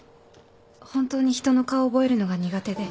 本当に人の顔を覚えるのが苦手で